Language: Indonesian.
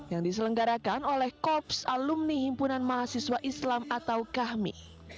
yang diselenggarakan oleh korps alumni himpunan mahasiswa islam atau kahmi